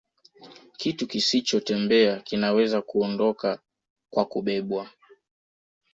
Kitu kisichotembea kinaweza kuondoka kwa kubebwa